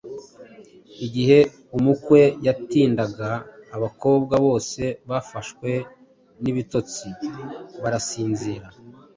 Igihe umukwe yatindaga, abakobwa bose bafashwe n’ibitotsi barasinzira.